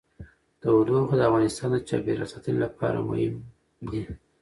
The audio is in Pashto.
تودوخه د افغانستان د چاپیریال ساتنې لپاره مهم دي.